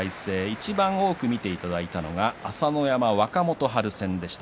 いちばん多く見ていただいたのが朝乃山、若元春戦でした。